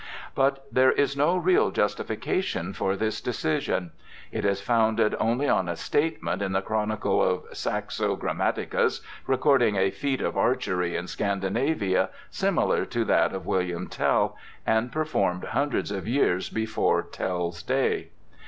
But there is no real justification for this decision. It is founded only on a statement in the chronicle of Saxo Grammaticus recording a feat of archery in Scandinavia similar to that of William Tell, and performed hundreds of years before Tell's day.